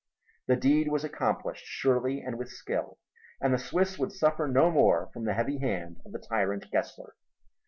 The deed was accomplished surely and with skill, and the Swiss would suffer no more from the heavy hand of the tyrant Gessler.